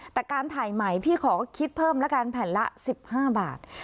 แต่การถ่ายใหม่พี่ขอคิดเพิ่มแล้วกันแผ่นละ๑๕บาท